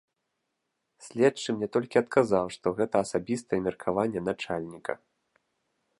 Следчы мне толькі адказаў, што гэта асабістае меркаванне начальніка.